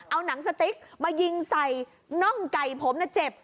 เอาหนังสติ๊กมายิงใส่น่องไก่ผมนะเจ็บ